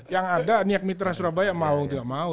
yang ada niak mitra surabaya mau gak mau